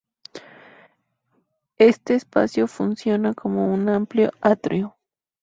Este espacio funciona como un amplio atrio.